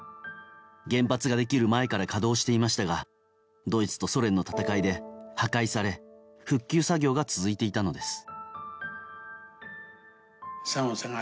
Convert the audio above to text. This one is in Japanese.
原発ができる前から稼働していましたがドイツとソ連の戦いで破壊され復旧作業が続いていたのです。